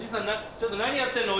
ちょっと何やってんの？